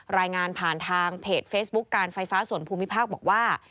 รายงานผ่านทางเพจเฟซบุ๊คการไฟฟ้าส่วนภูมิภาคบอกว่า